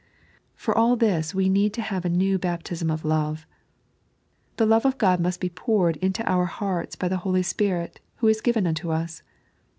For all thU toe need to have a new haptitm of Love. The love of God must be poured into our hearts by the Holy Spirit, who is given unto us.